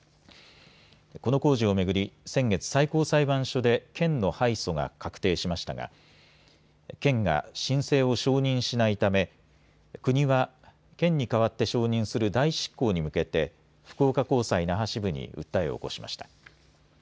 この工事を巡り先月、最高裁判所で県の敗訴が確定しましたが県が申請を承認しないため国は県に代わって承認する代執行に向けて福岡高裁那覇支部に訴えを起こしました。